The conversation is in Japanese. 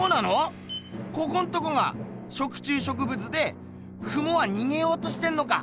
ここんとこが食虫植物でクモはにげようとしてんのか？